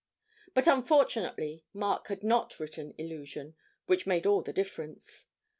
But unfortunately, Mark had not written 'Illusion,' which made all the difference.